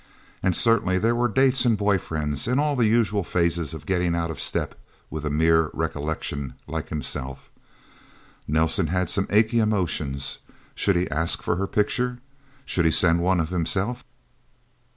And certainly there were dates and boyfriends, and all the usual phases of getting out of step with a mere recollection, like himself. Nelsen had some achy emotions. Should he ask for her picture? Should he send one of himself?